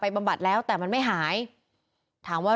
พุ่งเข้ามาแล้วกับแม่แค่สองคน